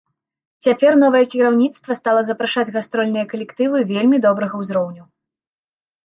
Цяпер новае кіраўніцтва стала запрашаць гастрольныя калектывы вельмі добрага ўзроўню.